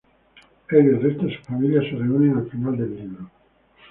Él y el resto de su familia se reúnen al final del libro.